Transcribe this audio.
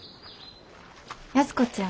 安子ちゃん。